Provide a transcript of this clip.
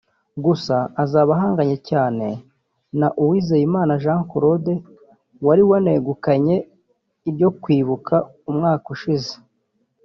Gusa azaba ahanganye cyane na Uwizeye Jean Claude wari wanegukanye iryo kwibuka umwaka ushize